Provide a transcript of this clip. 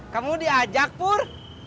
kamu diajak pur